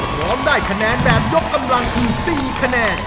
พร้อมได้คะแนนแบบยกกำลังคือ๔คะแนน